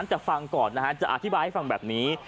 แต่ฟังก่อนนะฮะจะอธิบายให้ฟังแบบนี้